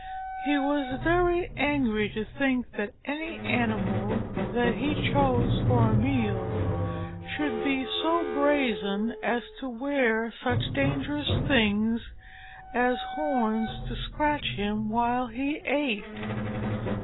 He was very angry to think that any animal that he chose for a meal, should be so brazen as to wear such dangerous things as horns to scratch him while he ate.